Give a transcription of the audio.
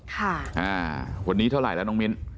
ค่ะวันนี้เท่าไรล่ะน้องมิน